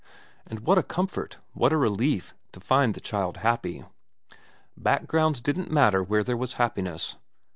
And what a comfort, what a relief, to find the child happy. Backgrounds didn't matter where there was happiness.